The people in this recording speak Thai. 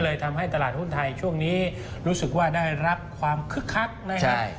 ทำให้ตลาดหุ้นไทยช่วงนี้รู้สึกว่าได้รับความคึกคักนะครับ